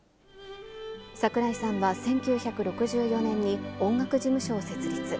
桜井さんは１９６４年に、音楽事務所を設立。